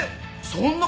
そんな。